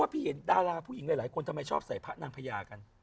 พี่เห็นดาราผู้หญิงหลายคนทำไมชอบใส่พระนางพญากัน